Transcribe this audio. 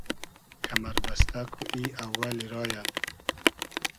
کئمئر بئستۂ کو ای اوئلی رایۂ